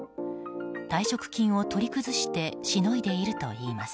退職金を取り崩してしのいでいるといいます。